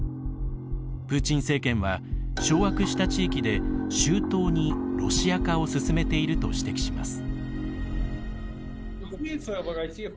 プーチン政権は掌握した地域で周到にロシア化を進めていると指摘します。